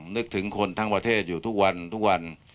นึกถึงคนทั้งประเทศอยู่ทุกวันทุกวัน